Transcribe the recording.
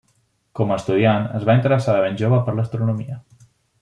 Com a estudiant, es va interessar de ben jove per l'astronomia.